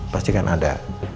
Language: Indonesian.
pasti kan ada